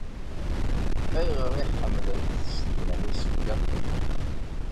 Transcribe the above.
Ayɣer ay ḥemmlent tsednan isefka?